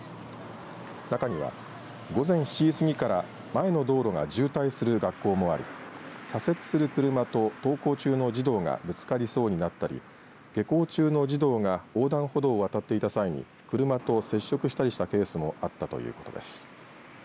中には午前７時過ぎから前の道路が渋滞する学校もあり左折する車と登校中の児童がぶつかりそうになったり下校中の児童が横断歩道を渡っていた際に車と接触したりしたケースもあったということです。